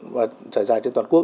và trải dài trên toàn quốc